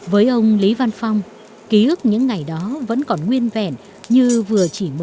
với ông văn phong ký ức những ngày đó vẫn còn nguyên vẻ như vừa chỉ mới hôm qua